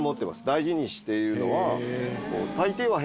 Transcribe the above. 大事にしているのは。